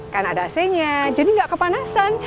karena ada ac nya jadi gak kepanasan